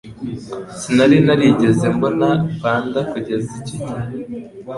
Sinari narigeze mbona panda kugeza icyo gihe.